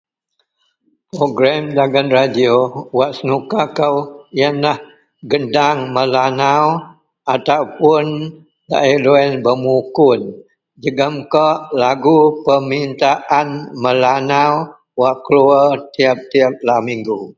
Perogerem dagen redio wak senuka kou yenlah gendang Melanau ataupun laei deloyen bermukun jegem kawak lagu permintaan Melanau wak keluwer tiyap-tiyap lau migu.